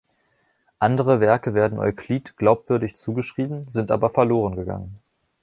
Andere Werke werden Euklid glaubwürdig zugeschrieben, sind aber verloren gegangen.